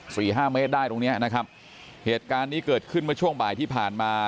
สี่ห้าเมตรได้ตรงเนี้ยนะครับเหตุการณ์นี้เกิดขึ้นเมื่อช่วงบ่ายที่ผ่านมา